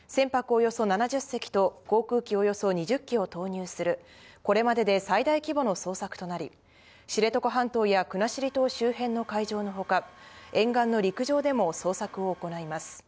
およそ７０隻と、航空機およそ２０機を投入する、これまでで最大規模の捜索となり、知床半島や国後島周辺の海上のほか、沿岸の陸上でも捜索を行います。